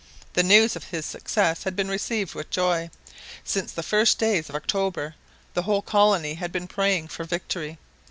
The news of his success had been received with joy. Since the first days of October the whole colony had been praying for victory.